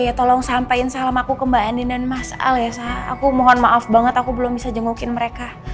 ya tolong sampaikan salam aku ke mbak andi dan mas al yasa aku mohon maaf banget aku belum bisa jengukin mereka